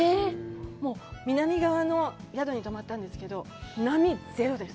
もう南側の宿に泊まったんですけど、波ゼロです。